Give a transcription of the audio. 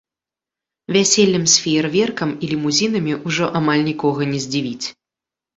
Вяселлем з феерверкам і лімузінамі ўжо амаль нікога не здзівіць.